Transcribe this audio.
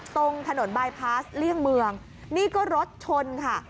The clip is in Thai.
ตรงถนนบายพาสเลี่ยงเมืองนี่ก็รถชนค่ะ